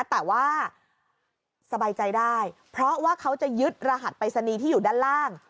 แต่ว่าสบายใจได้เพราะว่าเขาจะยึดรหัสปริศนีย์ที่อยู่ด้านล่าง